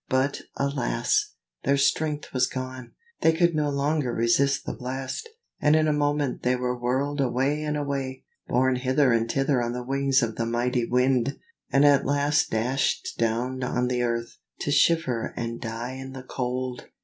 But alas! their strength was gone, they could no longer resist the blast: and in a moment they were whirled away and away, borne hither and thither on the wings of the mighty Wind, and at last dashed down on the earth, to shiver and die in the cold.